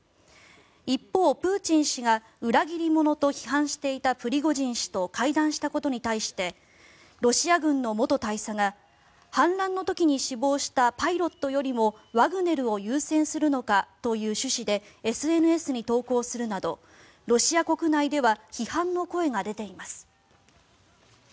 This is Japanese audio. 一方、プーチン氏が裏切り者と批判していたプリゴジン氏と会談したことに対してロシア軍の元大佐が反乱の時に死亡したパイロットよりもワグネルを優先するのかという趣旨でＳＮＳに投稿するなどロシア国内では批判の声が出ています。